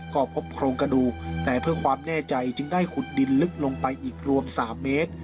ก็พบโครงกระดูกแต่เพื่อความแน่ใจจึงได้ขุดดินลึกลงไปอีกรวม๓เมตร